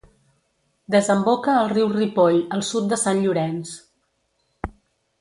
Desemboca al riu Ripoll al sud de Sant Llorenç.